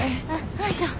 よいしょ。